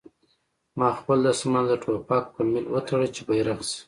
ما خپل دسمال د ټوپک په میل وتاړه چې بیرغ شي